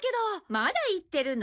まだ言ってるの？